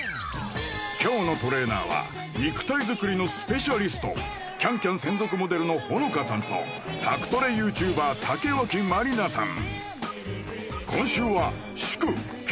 今日のトレーナーは肉体づくりのスペシャリスト「ＣａｎＣａｍ」専属モデルのほのかさんと宅トレＹｏｕＴｕｂｅｒ竹脇まりなさん